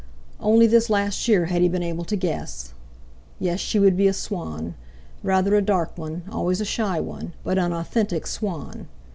Only this last year had he been able to guess. Yes, she would be a swan—rather a dark one, always a shy one, but an authentic swan.